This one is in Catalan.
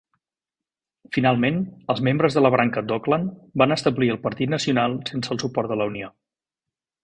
Finalment, els membres de la branca d'Auckland van establir el Partit Nacional sense el suport de la Unió.